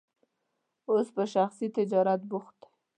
اوس په شخصي تجارت بوخت دی.